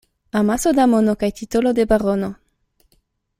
Amaso da mono kaj titolo de barono.